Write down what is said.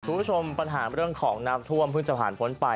คุณผู้ชมปัญหาเรื่องของน้ำท่วมเพิ่งจะผ่านพ้นไป